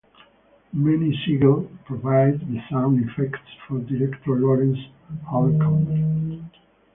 Manny Siegel provided the sound effects for director Lawrence Holcomb.